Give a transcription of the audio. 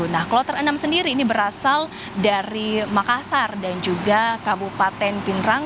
nah kloter enam sendiri ini berasal dari makassar dan juga kabupaten pindrang